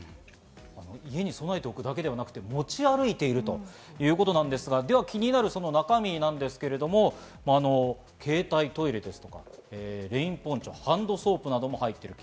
家に備えておくだけではなくて、持ち歩いているということなんですが、気になる中身なんですけれども、携帯トイレとかレインポンチョ、ハンドソープなども入っている。